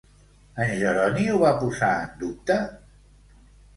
En Jeroni ho va posar en dubte?